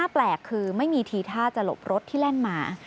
แปลกคือไม่มีทีท่าจะหลบรถที่แล่นมา